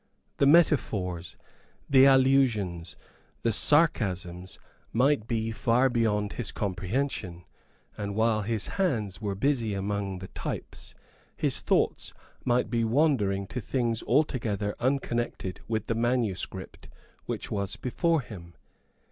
The metaphors, the allusions, the sarcasms, might be far beyond his comprehension; and, while his hands were busy among the types, his thoughts might be wandering to things altogether unconnected with the manuscript which was before him.